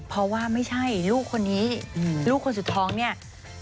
เพราะว่าไม่ใช่ลูกคนสุดท้องเนี่ย